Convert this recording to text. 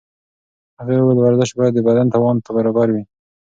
هغې وویل ورزش باید د بدن توان ته برابر وي.